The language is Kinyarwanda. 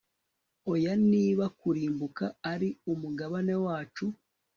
Oya niba kurimbuka ari umugabane wacu